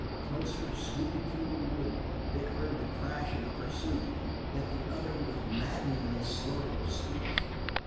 Closer, sweeping through the wood, Vic heard the crash of the pursuit, yet the other was maddeningly slow of speech.